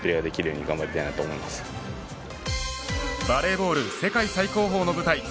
バレーボール世界最高峰の舞台